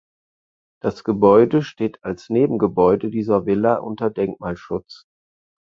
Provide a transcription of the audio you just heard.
Das Gebäude steht als „Nebengebäude“ dieser Villa unter Denkmalschutz.